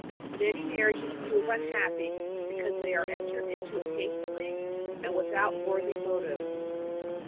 Many marriages prove unhappy because they are entered into hastily and without worthy motives.